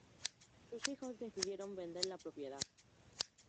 Su hijos decidieron vender la propiedad.